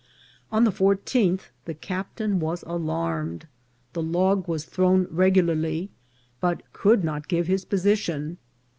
On the fourteenth the captain was alarmed. The log was thrown regularly, but could not give his position.